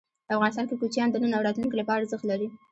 افغانستان کې کوچیان د نن او راتلونکي لپاره ارزښت لري.